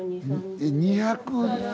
えっ２００。